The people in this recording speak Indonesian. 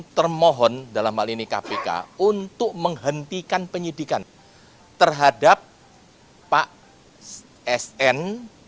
termohon dalam hal ini kpk untuk menghentikan penyidikan terhadap pak sn